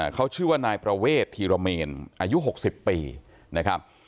เขาชื่อว่านายประเวทธีรเมนอายุ๖๐ปีนะครับ